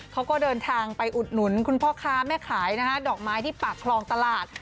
เขาก็เดินทางไปอุดหนุนคุณพ่อค้าแม่ขายนะฮะดอกไม้ที่ปากคลองตลาด